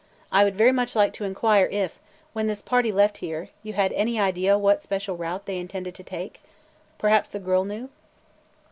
I would very much like to inquire if, when this party left here, you had any idea what special route they intended to take? Perhaps the girl knew?"